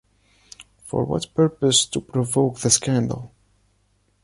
For what purpose to provoke the scandal?